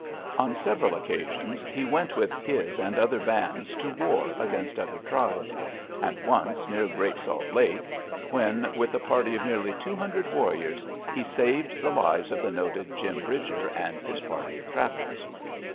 On several occasions he went with his and other bands to war against other tribes, and once, near Great Salt Lake, when with a party of nearly two hundred warriors, he saved the lives of the noted Jim Bridger and his party of trappers.